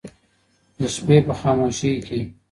د شپې په خاموشۍ كـي